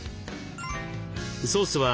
ソースは